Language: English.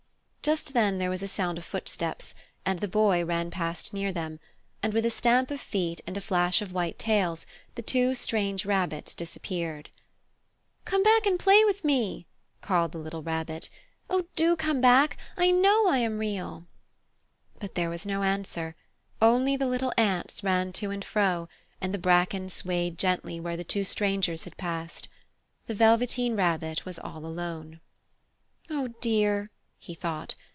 Just then there was a sound of footsteps, and the Boy ran past near them, and with a stamp of feet and a flash of white tails the two strange rabbits disappeared. "Come back and play with me!" called the little Rabbit. "Oh, do come back! I know I am Real!" But there was no answer, only the little ants ran to and fro, and the bracken swayed gently where the two strangers had passed. The Velveteen Rabbit was all alone. "Oh, dear!" he thought.